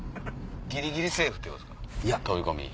ギリギリセーフってこと飛び込み。